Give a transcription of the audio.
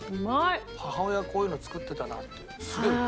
母親がこういうの作ってたなっていう。